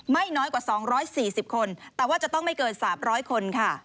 ไม่น้อยกว่า๒๔๐คนแต่ว่าจะต้องไม่เกิน๓๐๐คนค่ะ